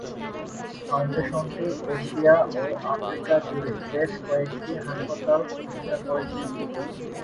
ফাউন্ডেশনটি Asia ও Africa জুড়ে বেশ কয়েকটি হাসপাতাল প্রতিষ্ঠা করেছে।